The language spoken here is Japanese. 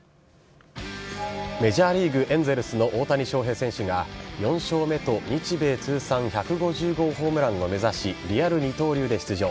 メジャーリーグエンゼルスの大谷翔平選手が４勝目と日米通算１５０号ホームランを目指しリアル二刀流で出場。